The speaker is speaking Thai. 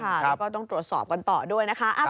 แล้วก็ต้องตรวจสอบกันต่อด้วยนะคะ